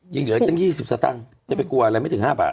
อ๋อยังเหนือจนยี่สิบสตางค์อย่าไปกลัวอะไรไม่ถึงห้าบาท